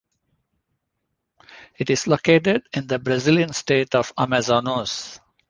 It is located in the Brazilian state of Amazonas.